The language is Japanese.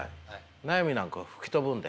悩みなんか吹き飛ぶんで。